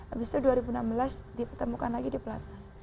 abis itu dua ribu enam belas ditemukan lagi di platnas